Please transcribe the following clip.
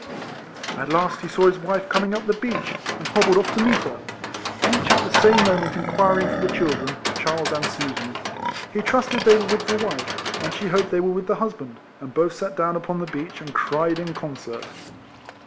At last he RIFLEMAN HARRIS. 141 saw his wife coming up the beach, and hobbled off to meet her, each at the same moment inquiring for the children, Charles and Susan. He trusted they were with the wife; and she hoped they were with the husband; and both sat down upon the beach, and cried in concert.